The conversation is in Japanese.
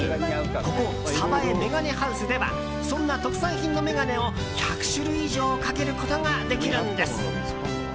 ここ、ＳＡＢＡＥＭＥＧＡＮＥＨＯＵＳＥではそんな特産品の眼鏡を１００種類以上かけることができるんです。